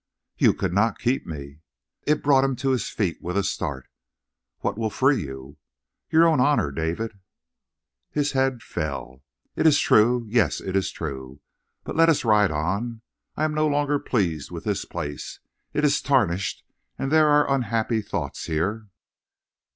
"You could not keep me." It brought him to his feet with a start. "What will free you?" "Your own honor, David." His head fell. "It is true. Yes, it is true. But let us ride on. I no longer am pleased with this place. It is tarnished; there are unhappy thoughts here!"